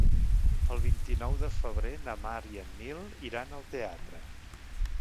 El vint-i-nou de febrer na Mar i en Nil iran al teatre.